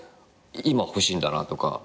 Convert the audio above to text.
今欲しいんだなとか。